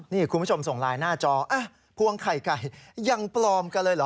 นี่คุณผู้ชมส่งไลน์หน้าจอพวงไข่ไก่ยังปลอมกันเลยเหรอ